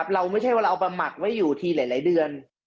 เราไม่ใช่ว่าเราเอามาหมักไว้อยู่ทีหลายเดือน